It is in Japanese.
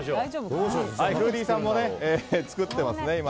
フーディーさんも作っています、今。